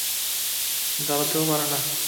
দাঁড়াতেও পারে না।